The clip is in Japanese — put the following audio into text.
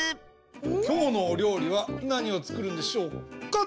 きょうのおりょうりはなにをつくるんでしょうか？